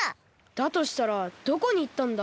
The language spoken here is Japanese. だとしたらどこにいったんだ？